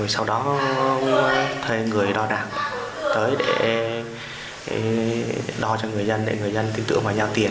sau đó thuê người đo đạt tới để đo cho người dân để người dân tin tưởng và giao tiền